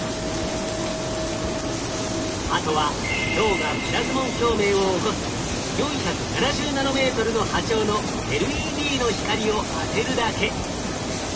あとは銅がプラズモン共鳴を起こす４７０ナノメートルの波長のＬＥＤの光を当てるだけ。